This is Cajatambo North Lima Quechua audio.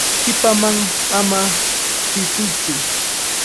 Qipaman ama rirquytsu.